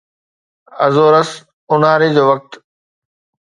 Azores اونهاري جو وقت